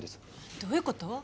どういうこと？